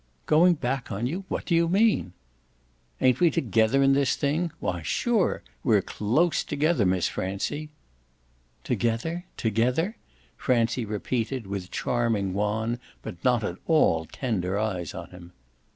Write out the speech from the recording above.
"Going back on you what do you mean?" "Ain't we together in this thing? WHY sure! We're CLOSE together, Miss Francie!" "Together together?" Francie repeated with charming wan but not at all tender eyes on him.